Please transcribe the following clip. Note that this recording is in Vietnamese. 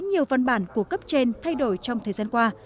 nhiều văn bản của cấp trên thay đổi trong thời gian qua